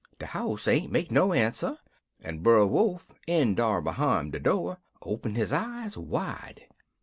"De house ain't make no answer, en Brer Wolf, in dar behime de door, open his eyes wide.